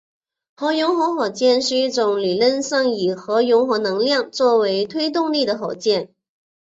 核融合火箭是一种理论上以核融合能量作为推动力的火箭。